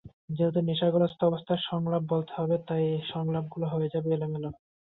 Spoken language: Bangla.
যেহেতু নেশাগ্রস্ত অবস্থায় সংলাপ বলতে হবে, তাই সংলাপগুলোও হয়ে যাবে এলোমেলো।